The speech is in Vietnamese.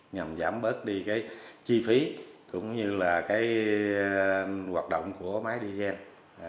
nhằm giảm bớt đi cái chi phí cũng như là cái hoạt động của máy diesel